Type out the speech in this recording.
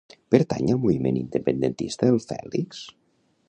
Pertany al moviment independentista el Fèlix?